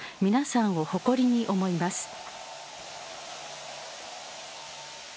皆さんを誇りに思います。